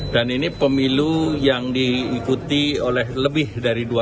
dan ini pemilu yang diikuti oleh lebih dari dua ratus juta